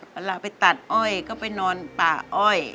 เวลาไปตัดอ้อยก็ไปนอนป่าอ้อย